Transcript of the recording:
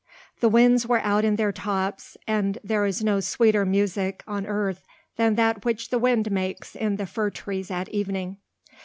The winds were out in their tops, and there is no sweeter music on earth than that which the wind makes in the fir trees at evening.